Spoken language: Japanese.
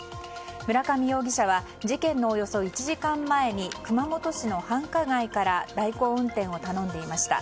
村上容疑者は事件のおよそ１時間前に熊本市の繁華街から代行運転を頼んでいました。